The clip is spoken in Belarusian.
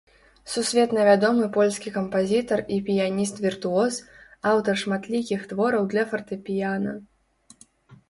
Сусветна вядомы польскі кампазітар і піяніст-віртуоз, аўтар шматлікіх твораў для фартэпіяна.